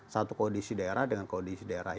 satu kondisi daerah dengan kondisi daerah